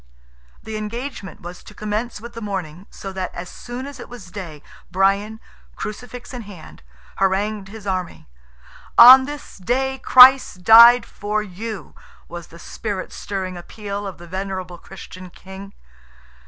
The engagement was to commence with the morning, so that, as soon as it was day, Brian, Crucifix in hand, harangued his army. "On this day Christ died for you!" was the spirit stirring appeal of the venerable Christian King.